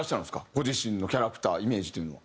ご自身のキャラクターイメージというのは。